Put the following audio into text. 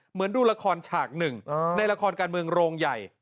ดูละครฉากหนึ่งในละครการเมืองโรงใหญ่